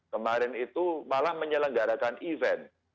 kemarin itu malah menyelenggarakan event